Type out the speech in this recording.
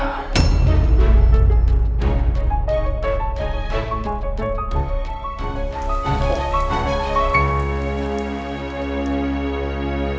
bersuruh sadinya angga